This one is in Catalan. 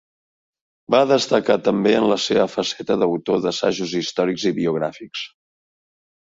Va destacar també en la seva faceta d'autor d'assajos històrics i biogràfics.